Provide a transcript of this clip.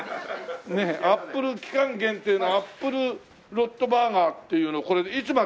期間限定のアップルロットバーガーっていうのこれいつまで？